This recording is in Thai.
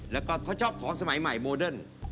แล้วก็เขาชอบของสมัยใหม่โมเดิร์น